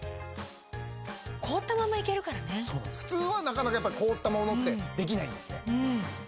そう普通はなかなかやっぱり凍ったものってできないんですね。